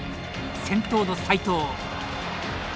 先頭の斉藤。